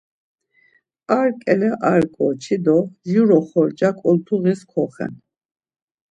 Ar ǩele ar ǩoçi do jur oxorca ǩoltuğis koxen.